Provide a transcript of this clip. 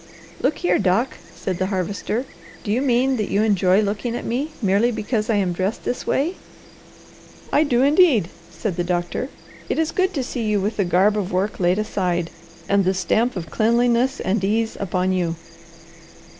"Look here, Doc," said the Harvester, "do you mean that you enjoy looking at me merely because I am dressed this way?" "I do indeed," said the doctor. "It is good to see you with the garb of work laid aside, and the stamp of cleanliness and ease upon you."